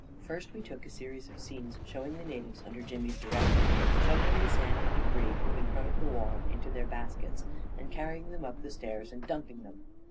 First we took a series of scenes showing the na tives, under Jimmy's direction, shovelling the sand and debris from in front of the wall into their bas kets, and carrying them up the stairs and dumping them.